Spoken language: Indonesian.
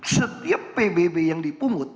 setiap pbb yang dipungut